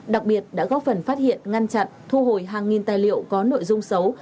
đặc biệt đã góp phần phát hiện ngăn chặn thu hồi hàng nghìn tài liệu có nội dung xấu